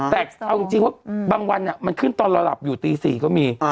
แต่เอาจริงว่าบางวันมันขึ้นตอนเราหลับอยู่ตี๔ก็มี